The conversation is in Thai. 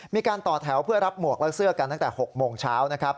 มีการต่อแถวเพื่อรับหมวกและเสื้อกันตั้งแต่๖โมงเช้านะครับ